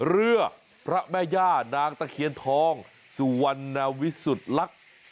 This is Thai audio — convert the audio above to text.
เรือพระแม่ย่านางตะเคียนทองสุวรรณวิสุทธิ์ลักษณ์